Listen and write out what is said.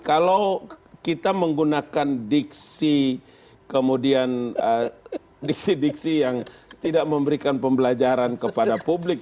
kalau kita menggunakan diksi kemudian diksi diksi yang tidak memberikan pembelajaran kepada publik